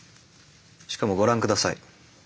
しかもご覧下さい。